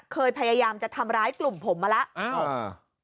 พยายามจะทำร้ายกลุ่มผมมาแล้ว